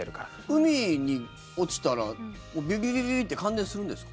海に落ちたらビビビ！って感電するんですか？